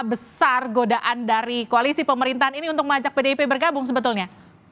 besar godaan dari koalisi pemerintahan ini untuk mengajak pdip bergabung sebetulnya